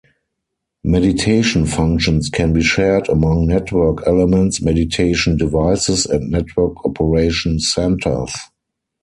Mediation functions can be shared among network elements, mediation devices, and network operation centers.